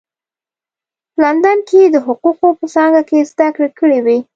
په لندن کې یې د حقوقو په څانګه کې زده کړې کړې وې.